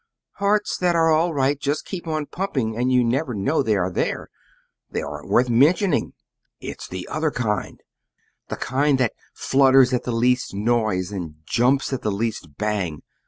"Hearts that are all right just keep on pumping, and you never know they are there. They aren't worth mentioning. It's the other kind the kind that flutters at the least noise and jumps at the least bang!